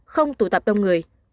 năm không tụ tập đông người